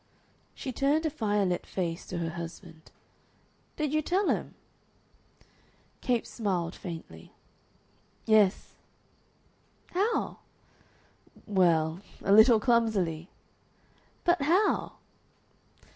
She turned a firelit face to her husband. "Did you tell him?" Capes smiled faintly. "Yes." "How?" "Well a little clumsily." "But how?"